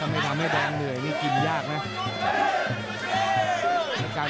มันจะแบบโปรดหยุ่งมาไม่เจอนะครับ